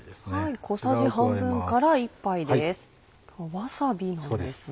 わさびなんですね。